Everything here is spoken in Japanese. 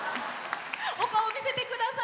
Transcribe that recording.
お顔を見せてください。